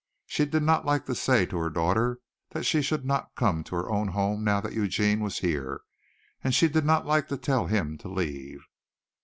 She did not like to say to her daughter that she should not come to her own home now that Eugene was here, and she did not like to tell him to leave.